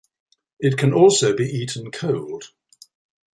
It can also be eaten cold.